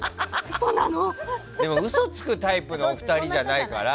でも、嘘つくタイプのお二人じゃないから。